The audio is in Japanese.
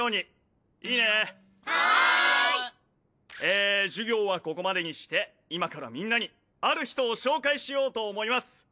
え授業はここまでにして今からみんなにある人を紹介しようと思います。